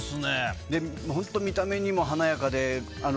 本当見た目も華やかで。